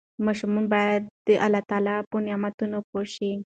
ماشومان باید د الله تعالی په نعمتونو پوه شي.